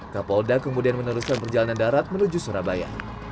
kapolda kemudian meneruskan perjalanan darat menuju surabaya